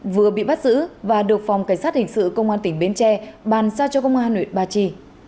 vừa bị bắt giữ và được phòng cảnh sát hình sự công an tỉnh bến tre bàn giao cho công an huyện ba chi